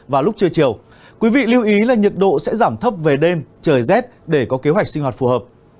và lúc trưa chiều quý vị lưu ý là nhiệt độ sẽ giảm thấp về đêm trời rét để có kế hoạch sinh hoạt phù hợp